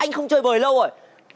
anh không chơi bời lâu rồi